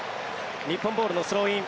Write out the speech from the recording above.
日本ボールのスローイン。